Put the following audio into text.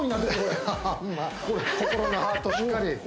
しっかり